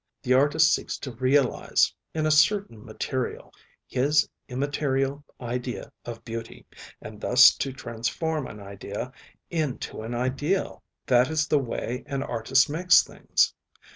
The artist seeks to realise, in a certain material, his immaterial idea of beauty, and thus to transform an idea into an ideal. That is the way an artist makes things.